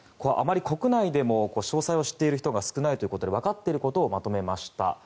あまり国内でも詳細を知っている人が少ないということでわかっていることをまとめました。